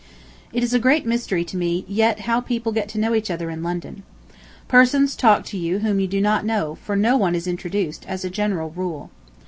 It is a great mystery to me yet how people get to know each other in London. Persons talk to you whom you do not know, for no one is introduced, as a general rule.